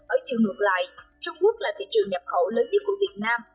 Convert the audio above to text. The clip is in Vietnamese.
ở chiều ngược lại trung quốc là thị trường nhập khẩu lớn dịch vụ việt nam